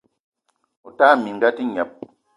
O tala minga a te gneb!